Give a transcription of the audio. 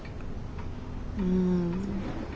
うん。